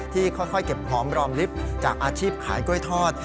ค่อยเก็บหอมรอมลิฟต์จากอาชีพขายกล้วยทอด